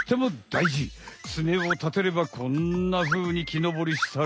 ツメをたてればこんなふうに木のぼりしたり。